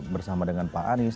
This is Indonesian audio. bersama dengan pak anies